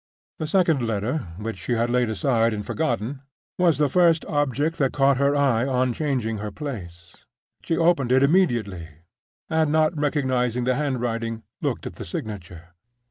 The second letter which she had laid aside and forgotten was the first object that caught her eye on changing her place. She opened it immediately, and, not recognizing the handwriting, looked at the signature.